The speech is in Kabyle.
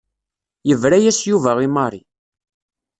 Yebra-yas Yuba i Mary.